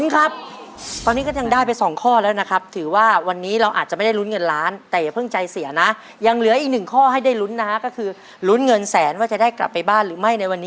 คำถามสำหรับเรื่องนี้คือ